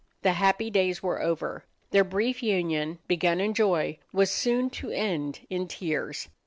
The happy days were over. Their brief union, begun in joy, was soon to end in tears.